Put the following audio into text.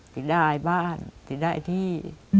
จะได้บ้านจะได้ที่